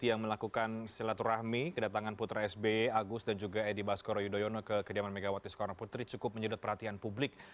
yang melakukan silaturahmi kedatangan putra sby agus dan juga edi baskoro yudhoyono ke kediaman megawati soekarno putri cukup menyedot perhatian publik